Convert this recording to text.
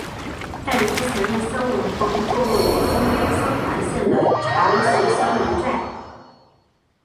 但之前的香炉峰坐落于今天湘潭县的茶恩寺香炉寨。